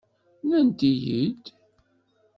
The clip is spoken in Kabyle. Nnant-iyi-id.